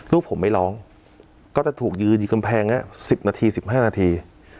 ลูกผมไม่ร้องก็จะถูกยืนอยู่กำแพง๑๐นาที๑๕นาที